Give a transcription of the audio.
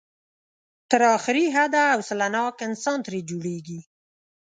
تر اخري حده حوصله ناک انسان ترې جوړېږي.